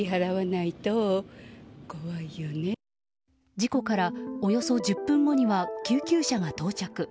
事故からおよそ１０分後には救急車が到着。